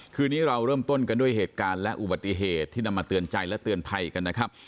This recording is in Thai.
คืนนี้เราเริ่มต้นกันด้วยเหตุการณ์และอุบัติเหตุที่นำมาเตือนใจและเตือนภัยกันนะครับ